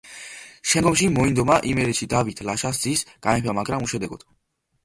შემდგომში მოინდომა იმერეთში დავით ლაშას ძის გამეფება, მაგრამ უშედეგოდ.